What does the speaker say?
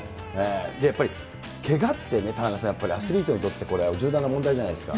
やっぱりけがってね、田中さん、アスリートにとって重大な問題じゃないですか。